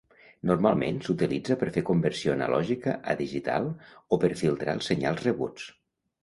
Normalment s'utilitza per fer conversió analògica a digital o per filtrar els senyals rebuts.